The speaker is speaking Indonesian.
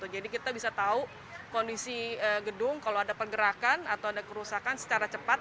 jadi kita bisa tahu kondisi gedung kalau ada pergerakan atau ada kerusakan secara cepat